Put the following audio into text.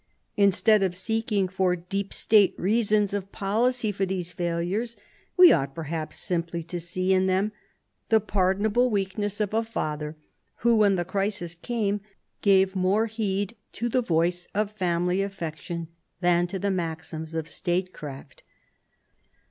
Instead of seeking for deep state reasons of policy for these failures, we ought, perhaps, simply to see in them the pardonable weakness of a father who, when the crisis came, gave more heed to the voice of family affection than to the maxims of state craft.